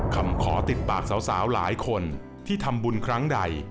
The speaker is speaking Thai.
คำขอติดปากสาวหลายคนที่ทำบุญครั้งใด